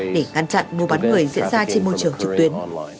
để ngăn chặn mua bán người diễn ra trên môi trường trực tuyến